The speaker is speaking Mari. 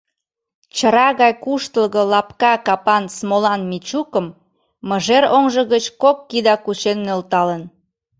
Чыра гай куштылго лапка капан Смолан Мичукым мыжер оҥжо гыч кок кида кучен нӧлталын.